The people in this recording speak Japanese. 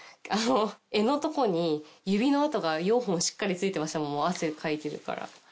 柄のとこに指の跡が４本しっかりついてましたもん汗かいてるから。